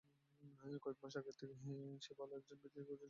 কয়েক মাস আগে থেকে তাই ভালো একজন বিদেশি কোচের খোঁজে ছিল সাদা-কালোরা।